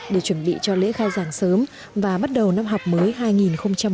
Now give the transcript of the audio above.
để chuẩn bị cho lễ khai giảng sớm và bắt đầu năm học mới hai nghìn một mươi bảy hai nghìn một mươi tám